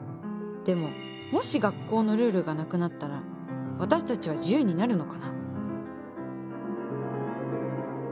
でももし学校のルールがなくなったら私たちは自由になるのかな？